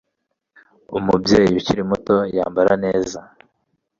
Umubyeyi ukiri muto yambara neza .